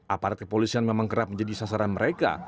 aparat kepolisian memang kerap menjadi sasaran mereka